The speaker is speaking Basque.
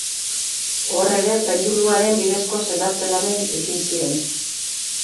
Hor ere penduluaren bidezko sendatze-lanei ekin zien.